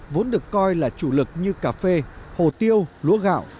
vốn được coi là chủ lực như cà phê hồ tiêu lúa gạo